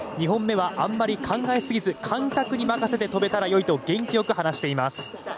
２本目はあまり考えすぎず感覚に任せて飛べたらいいと元気よく話しています。